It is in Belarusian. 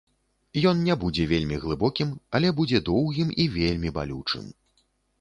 Ён не будзе вельмі глыбокім, але будзе доўгім і вельмі балючым.